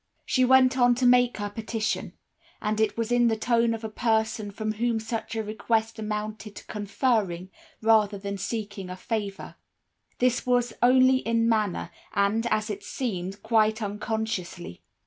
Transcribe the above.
"She went on to make her petition, and it was in the tone of a person from whom such a request amounted to conferring, rather than seeking a favor. This was only in manner, and, as it seemed, quite unconsciously.